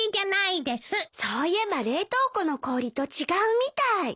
そういえば冷凍庫の氷と違うみたい。